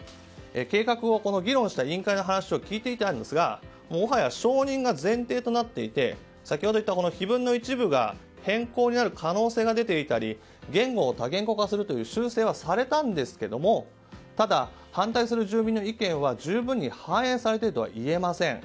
計画を議論した委員会の話を聞いていたんですがもはや承認が前提となっていて先ほど言った碑文の一部が変更になる可能性が出ていたり言語を多言語化するという修正はされたんですがただ、反対する住民の意見は十分に反映されているとはいえません。